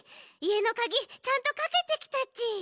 いえのカギちゃんとかけてきたち。